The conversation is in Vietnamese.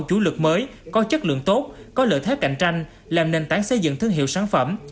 chủ lực mới có chất lượng tốt có lợi thế cạnh tranh làm nền tảng xây dựng thương hiệu sản phẩm